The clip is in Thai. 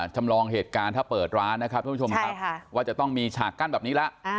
จำลองเหตุการณ์ถ้าเปิดร้านนะครับทุกผู้ชมครับว่าจะต้องมีฉากกั้นแบบนี้แล้ว